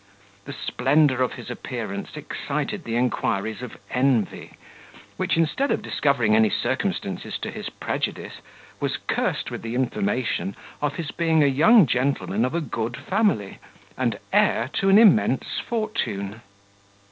The splendour of his appearance excited the inquiries of envy, which, instead of discovering any circumstances to his prejudice, was cursed with the information of his being a young gentleman of a good family, and heir to an immense fortune.